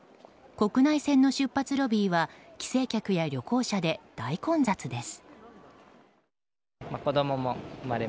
国内線の出発ロビーは帰省客や旅行客で大混雑です。